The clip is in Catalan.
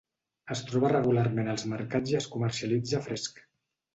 Es troba regularment als mercats i es comercialitza fresc.